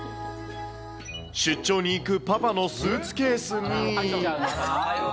出張に行くパパのスーツケースに。